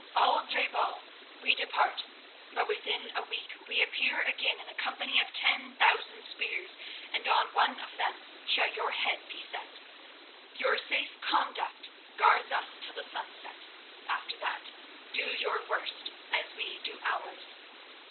Al je bal, we depart, but within a week we appear again in the company of ten thousand spears, and on one of them shall your head be set. Your safe conduct guards us till the sunset. After that, do your worst, as we do ours.